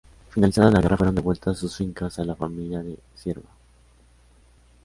Finalizada la guerra fueron devueltas sus fincas a la familia La Cierva.